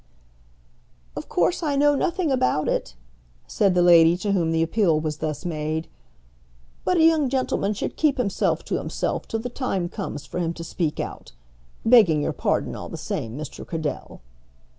"Of course I know nothing about it," said the lady to whom the appeal was thus made. "But a young gentleman should keep himself to himself till the time comes for him to speak out, begging your pardon all the same, Mr. Cradell."